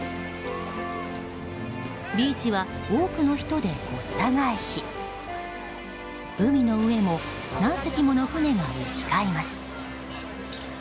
ビーチは多くの人でごった返し海の上も何隻もの船が行き交います。